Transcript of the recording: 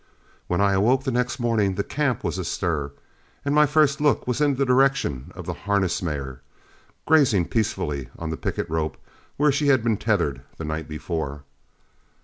When I awoke the next morning the camp was astir, and my first look was in the direction of the harness mare, grazing peacefully on the picket rope where she had been tethered the night before.